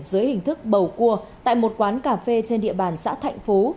dưới hình thức bầu cua tại một quán cà phê trên địa bàn xã thạnh phú